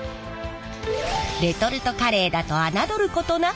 レトルトカレーだと侮ることなかれ。